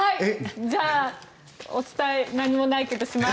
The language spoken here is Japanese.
じゃあお伝え何もないけどします。